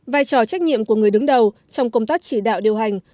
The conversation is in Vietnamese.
vai trò trách nhiệm của người đứng đầu trong công tác chỉ đạo điều hành